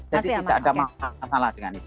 jadi tidak ada masalah dengan itu